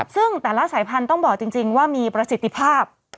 ซึ่งแต่ละสายพันธุ์ต้องบอกจริงว่ามีประสิทธิภาพ